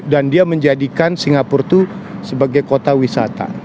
dan dia menjadikan singapura itu sebagai kota wisata